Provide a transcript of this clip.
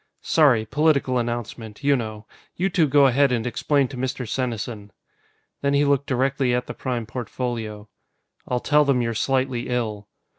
"Sorry. Political announcement, you know. You two go ahead and explain to Mr. Senesin." Then he looked directly at the Prime Portfolio. "I'll tell them you're slightly ill."